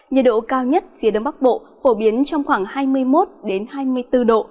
nhiệt độ cao nhất phía đông bắc bộ phổ biến trong khoảng hai mươi một hai mươi bốn độ